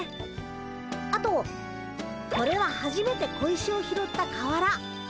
あとこれははじめて小石を拾った川原。